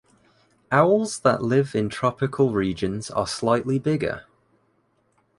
Owls that live in tropical regions are slightly bigger.